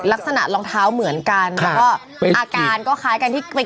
ลักษณะรองเท้าเหมือนกันค่ะแล้วก็อาการก็คล้ายกันที่